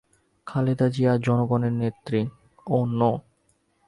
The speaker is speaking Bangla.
খালেদা জিয়া জনগণের নেত্রী।